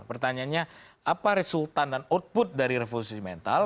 pertanyaannya apa resultan dan output dari revolusi mental